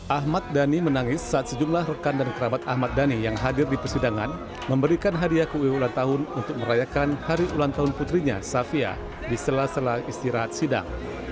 ahmad dhani menangis saat sejumlah rekan dan kerabat ahmad dhani yang hadir di persidangan memberikan hadiah kue ulang tahun untuk merayakan hari ulang tahun putrinya safia di sela sela istirahat sidang